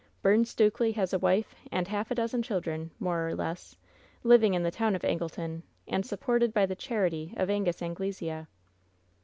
Byrne Stukely has a wife and half a dozen children, more or less, living in the town of Angleton, and supported by the charity of Angus Anglesea!"